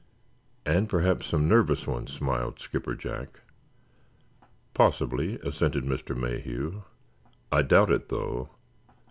"And perhaps some nervous ones," smiled Skipper Jack. "Possibly," assented Mr. Mayhew. "I doubt it, though.